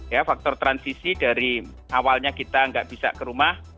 ya faktor transisi dari awalnya kita nggak bisa ke rumah